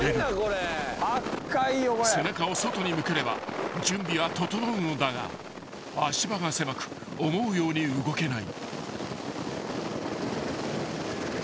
［背中を外に向ければ準備は整うのだが足場が狭く思うように動けない］